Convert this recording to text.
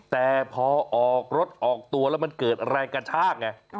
แต่พอออกรถออกตัวแล้วมันเกิดแรงกระชากไง